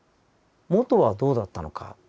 元はどうだったのか。